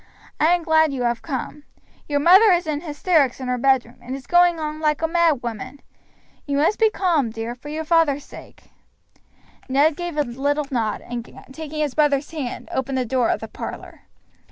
I am glad you have come. Your mother is in hysterics in her bedroom, and is going on like a mad woman. You must be calm, dear, for your father's sake." Ned gave a little nod, and, taking his brother's hand, opened the door of the parlor.